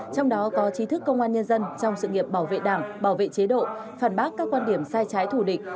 trong đó có trí thức công an nhân dân trong sự nghiệp bảo vệ đảng bảo vệ chế độ phản bác các quan điểm sai trái thủ địch